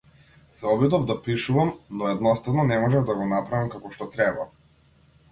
Се обидов да пишувам, но едноставно не можев да го направам како што треба.